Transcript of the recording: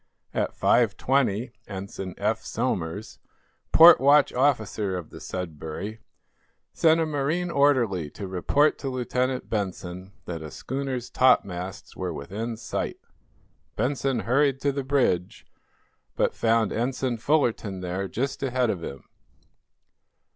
At 5:20 Ensign Eph Somers, port watch officer of the "Sudbury," sent a marine orderly to report to Lieutenant Benson that a schooner's topmasts were within sight. Benson hurried to the bridge, but found Ensign Fullerton there just ahead of him.